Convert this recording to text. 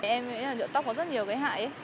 em nghĩ là nhựa tóc có rất nhiều cái hại